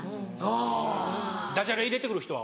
ダジャレ入れて来る人は？